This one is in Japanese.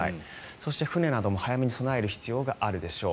そして船なども早めに備える必要があるでしょう。